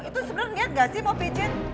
itu sebenernya liat gak sih mau pijit